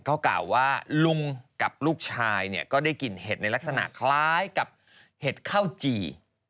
ก็กล่าวว่าลุงกับลูกชายเนี่ยก็ได้กลิ่นเห็ดในลักษณะคล้ายกับเห็ดข้าวจี่